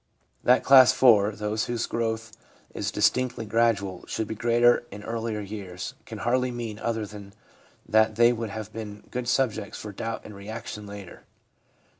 That class four — those whose growth is distinctly gradual — should be greater in earlier years, can hardly mean other than that they would have been good subjects for doubt and reaction later.